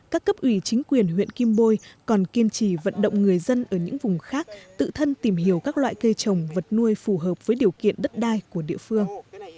các cấp ủy chính quyền huyện kim bôi còn kiên trì vận động người dân ở những vùng khác tự thân tìm hiểu các loại cây trồng vật nuôi phù hợp với điều kiện đất đai của địa phương